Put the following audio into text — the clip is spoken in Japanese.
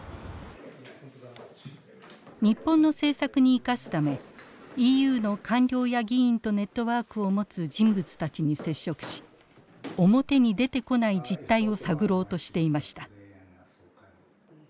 日本の政策に生かすためＥＵの官僚や議員とネットワークを持つ人物たちに接触し表に出てこない実態を探ろうとしていました。